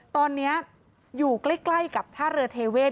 ตอนนี้อยู่ใกล้กับท่าเรือเทเวศ